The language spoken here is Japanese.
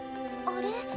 あれ？